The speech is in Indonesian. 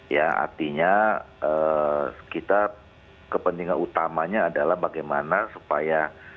ya artinya kita kepentingan utamanya adalah bagaimana supaya